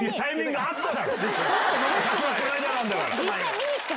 この間なんだから。